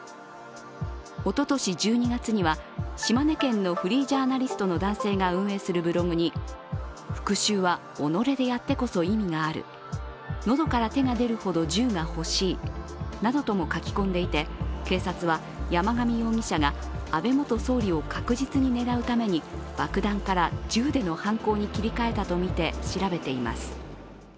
おととし１２月には島根県のフリージャーナリストの男性が運営するブログに復讐は己でやってこそ意味がある、喉から手が出るほど銃が欲しいなどとも書き込んでいて、警察は山上容疑者が安倍元総理を確実に狙うために爆弾から銃での犯行に切り替えたとみて調べています。